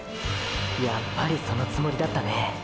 やっぱりそのつもりだったね。